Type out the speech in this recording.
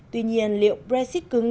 tuy nhiên liệu brexit cứng